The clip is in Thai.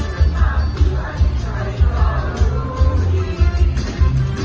เป็นภาพที่ใครใครก็รู้ดี